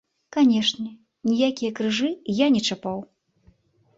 Канечне, ніякія крыжы я не чапаў.